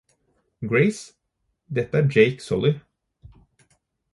Grace? Dette er Jake Sully